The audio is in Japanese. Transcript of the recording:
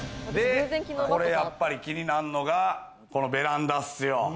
これ、やっぱり気になるのがベランダっすよ。